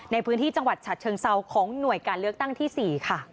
ในพื้นที่จังหวัดฉะเชิงเซาของหน่วยการเลือกตั้งที่๔ค่ะ